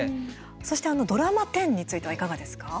そして、ドラマ１０についてはいかがですか？